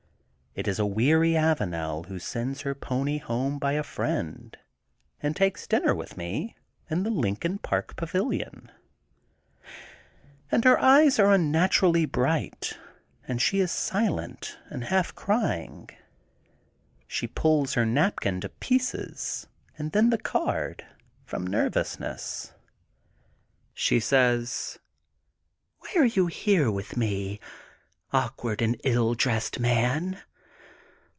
It is a weary A vanel, who sends her pony home by a friend, and takes dinner with me in the Lincoln Park Pavilion and her eyes are unnaturally bright and she is silent and half crying. She pulls her napkin to pieces and then the card, from nervousness. She says: — Why are you here with me, awkward and ill dressed man!